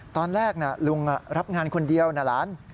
ตอนแรกลุงรับงานคนเดียวนะหลาน